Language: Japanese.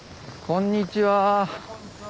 ・こんにちは。